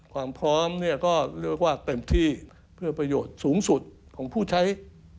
ความพร้อมเนี่ยก็เรียกว่าเต็มที่เพื่อประโยชน์สูงสุดของผู้ใช้